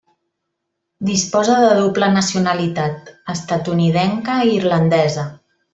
Disposa de doble nacionalitat estatunidenca i irlandesa.